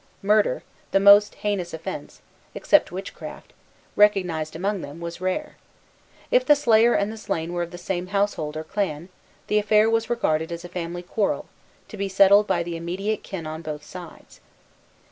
Murder, the most heinous offence, except witchcraft, recognized among them, was rare. If the slayer and the slain were of the same household or clan, the affair was regarded as a family quarrel, to be settled by the immediate kin on both sides.